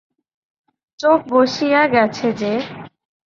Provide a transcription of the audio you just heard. চোখ বসিয়া গেছে যে।